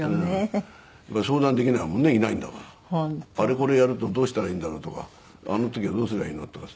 これやる時どうしたらいいんだろうとかあの時はどうすればいいの？とかさ